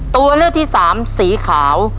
ตัวเลือกที่สามสีขาว